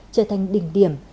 trở thành đỉnh điểm